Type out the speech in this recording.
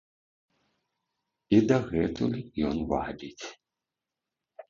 І дагэтуль ён вабіць.